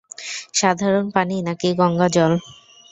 সাধারণ পানি নাকি গঙ্গা জল?